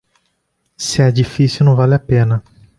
Se é difícil, não vale a pena.